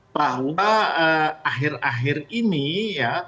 bahwa akhir akhir ini ya